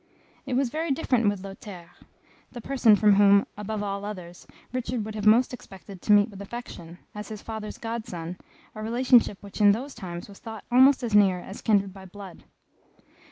It was very different with Lothaire, the person from whom, above all others, Richard would have most expected to meet with affection, as his father's god son, a relationship which in those times was thought almost as near as kindred by blood.